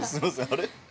あれ？